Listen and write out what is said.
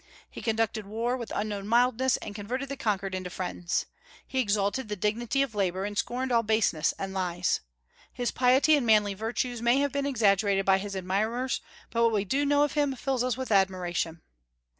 He conducted war with unknown mildness, and converted the conquered into friends. He exalted the dignity of labor, and scorned all baseness and lies. His piety and manly virtues may have been exaggerated by his admirers, but what we do know of him fills us with admiration.